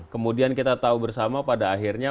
kemudian kita tahu bersama pada akhirnya